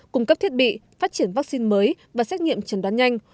cung cấp thiết bị phát triển vaccine mới và xét nghiệm trần đoán nhanh